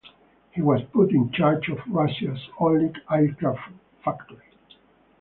He was put in charge of Russia's only aircraft factory.